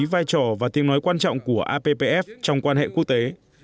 vai trò và tiếng nói quan trọng của appf trong quan hệ quốc tế